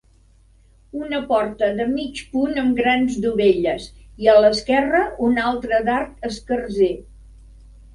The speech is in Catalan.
Una porta de mig punt amb grans dovelles i a l'esquerre una altra d'arc escarser.